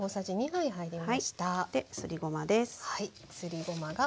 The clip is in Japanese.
ですりごまです。